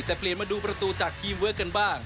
แต่เปลี่ยนมาดูประตูจากทีมเวิร์คกันบ้าง